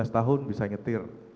lima belas tahun bisa nyetir